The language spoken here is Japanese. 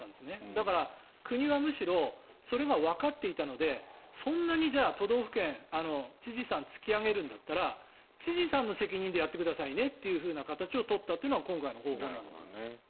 だから、国はむしろそれがわかっていたのでそんなに都道府県、知事さんが突き上げるんだったら知事さんの責任でやってくださいねという形を取ったというのが今回のことだと思います。